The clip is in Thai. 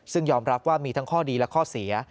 ซึ่งยอมรับว่ามีทั้งข้อดีและข้อเสีย